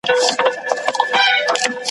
کال په کال خزانېدلای رژېدلای `